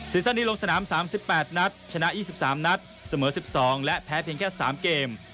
ซันนี้ลงสนาม๓๘นัดชนะ๒๓นัดเสมอ๑๒และแพ้เพียงแค่๓เกม